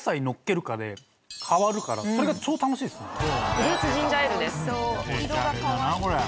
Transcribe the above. フルーツジンジャーエールです。